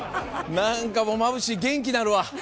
何かもうまぶしい元気なるわ。